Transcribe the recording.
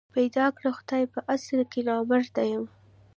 پيدا کړی خدای په اصل کي نامراد یم